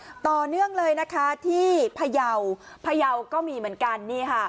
ต่อเนื่องเลยนะคะที่พยาวพยาวก็มีเหมือนกันนี่ค่ะ